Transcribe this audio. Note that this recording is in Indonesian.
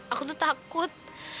aku tuh takut